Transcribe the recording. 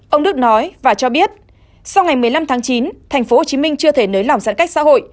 ông đức nói và cho biết sau ngày một mươi năm tháng chín thành phố hồ chí minh chưa thể nới lỏng giãn cách xã hội